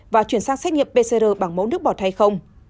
và chuyển sang xét nghiệm pcr bằng mẫu nước bọt hay không